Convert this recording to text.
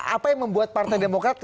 apa yang membuat partai demokrat